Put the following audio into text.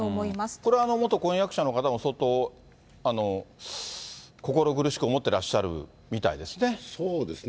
これは元婚約者の方も、相当心苦しく思ってらっしゃるみたいですね。